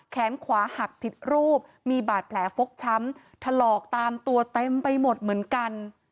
แขนขวาหักผิดรูปมีบาดแผลฟกช้ำถลอกตามตัวเต็มไปหมดเหมือนกัน